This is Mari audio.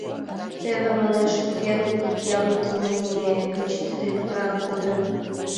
— Теве, — манеш, — урген ямдылыме гыч тиде гына кодын.